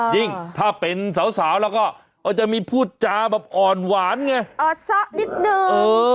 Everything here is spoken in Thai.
ยิ่งถ้าเป็นสาวแล้วก็จะมีผู้จาอ่อนหวานเหรอ